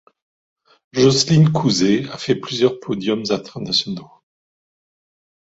Jocelyne Couset a fait plusieurs podiums internationaux.